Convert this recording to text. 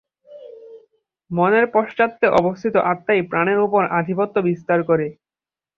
মনের পশ্চাতে অবস্থিত আত্মাই প্রাণের উপর আধিপত্য বিস্তার করে।